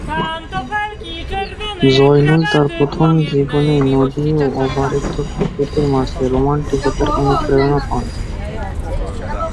জয়নুল তাঁর প্রথম জীবনেই নদী ও অবারিত প্রকৃতির মাঝে রোমান্টিকতার অনুপ্রেরণা পান।